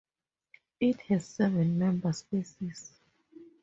It has seven member species.